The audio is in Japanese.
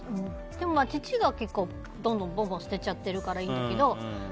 でも父が結構、どんどん捨てちゃってるからいいんだけど。